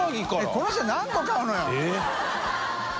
この人何個買うのよ？